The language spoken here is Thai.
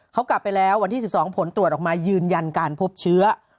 เขากลับไปแล้ววันที่๑๒ผลตรวจออกมายืนยันการพบเชื้อ